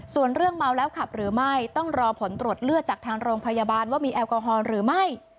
ส่วนเรื่องเมาแล้วขับหรือไม่ต้องรอผลตรวจเลือดจากทางโรงพยาบาลว่ามีแอลกอฮอลหรือไม่